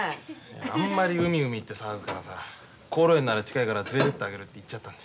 あんまり海海って騒ぐからさ香櫨園なら近いから連れてってあげるって言っちゃったんだ。